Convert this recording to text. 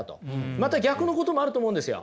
また逆のこともあると思うんですよ。